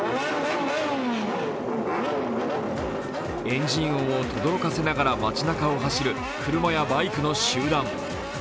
エンジン音をとどろかせながら街なかを走る車やバイクの集団。